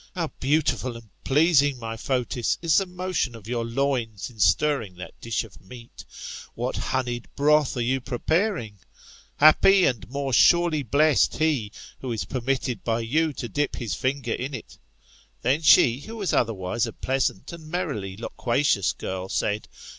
How beautiful and pleasing, my Fotis, is the motion of yCix loins in stirring that dish of meat 1 what honeyed broth are you preparing ! Happy, and more surely blessed he, who is permitted by you to dip his finger in ic. Then she, who was otherwise a pleasant and merrily loquacious girl, said.